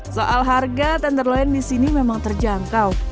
soal harga tenderloin di sini memang terjangkau